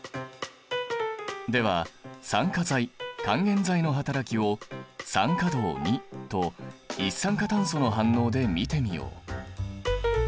では酸化剤還元剤の働きを酸化銅と一酸化炭素の反応で見てみよう。